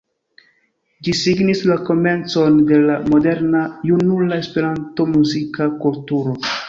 Ĝi signis la komencon de la moderna junula Esperanto-muzika kulturo.